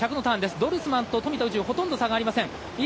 ドルスマンと富田宇宙はほとんど差がありません。